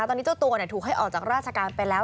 ตอนนี้เจ้าตัวถูกให้ออกจากราชการไปแล้ว